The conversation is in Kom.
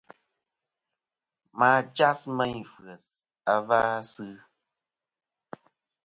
Ma jas meyn f̀yes a va sɨ.